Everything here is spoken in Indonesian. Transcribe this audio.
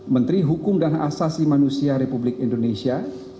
menteri hukum dan asasi manusia republik indonesia